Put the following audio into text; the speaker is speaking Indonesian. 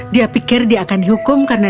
dia pikir dia akan dihukum karena